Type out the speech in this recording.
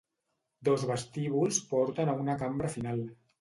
Dos vestíbuls porten a una cambra final.